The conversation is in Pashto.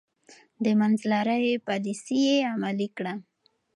د منځلارۍ پاليسي يې عملي کړه.